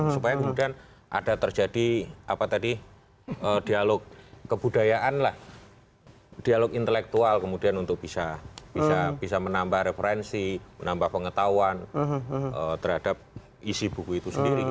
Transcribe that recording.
supaya kemudian ada terjadi apa tadi dialog kebudayaan lah dialog intelektual kemudian untuk bisa menambah referensi menambah pengetahuan terhadap isi buku itu sendiri